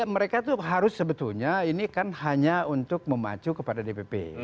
mereka itu harus sebetulnya ini kan hanya untuk memacu kepada dpp